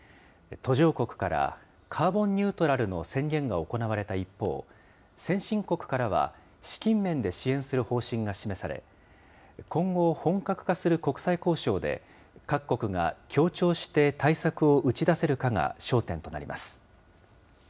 途上国からカーボンニュートラルの宣言が行われた一方、先進国からは、資金面で支援する方針が示され、今後、本格化する国際交渉で、各国が協調して対策を打ち出せるかが焦点となります。